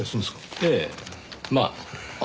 ええまあ。